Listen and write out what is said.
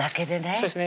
そうですね